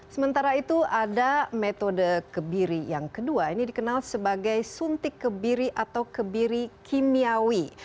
sementara itu ada metode kebiri yang kedua ini dikenal sebagai suntik kebiri atau kebiri kimiawi